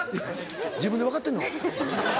自分で分かってんの？